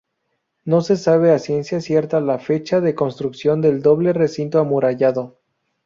No se sabe a ciencia cierta la fecha de construcción del doble recinto amurallado.